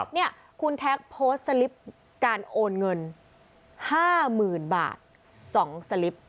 เนี่ยคุณแท็กโพสต์สลิปการโอนเงิน๕๐๐๐๐บาท๒สลิป